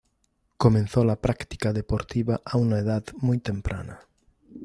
Comenzó la práctica deportiva a una edad muy temprana.